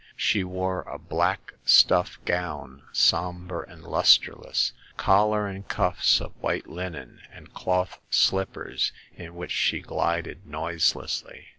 She wore a black stuff gown, somber and lusterless ; collar and cuffs of white linen, and cloth slippers, in which she glided noiselessly.